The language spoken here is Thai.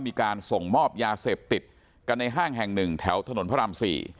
มีการส่งมอบยาเสพติดกันในห้างแห่งหนึ่งแถวถนนพระราม๔